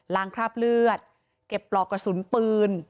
คราบเลือดเก็บปลอกกระสุนปืน